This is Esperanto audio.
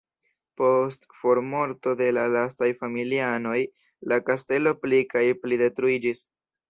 Post formorto de la lastaj familianoj la kastelo pli kaj pli detruiĝis.